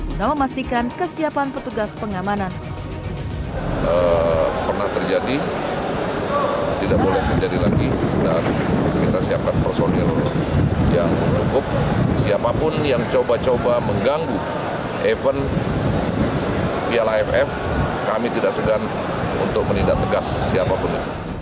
untuk memastikan kesiapan petugas pengamanan